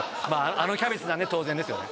あのキャベツなんで当然ですよね